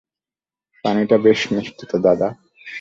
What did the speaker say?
পানিটা বেশ মিষ্টি তো, দাদা।